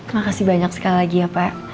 makasih banyak sekali lagi ya pak